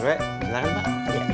r w silahkan pak